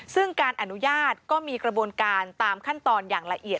ซึ่งการอนุญาตก็มีกระบวนการตามขั้นตอนอย่างละเอียด